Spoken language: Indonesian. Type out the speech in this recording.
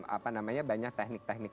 apa namanya banyak teknik teknik